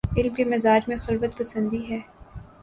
علم کے مزاج میں خلوت پسندی ہے۔